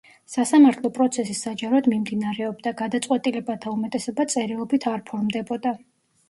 სასამართლო პროცესი საჯაროდ მიმდინარეობდა, გადაწყვეტილებათა უმეტესობა წერილობით არ ფორმდებოდა.